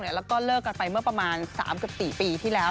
แล้วก็เลิกกันไปเมื่อประมาณ๓๔ปีที่แล้ว